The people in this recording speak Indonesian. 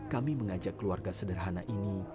kami mengajak keluarga sederhana ini